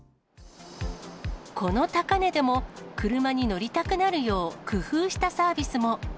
この高値でも、車に乗りたくなるよう工夫したサービスも。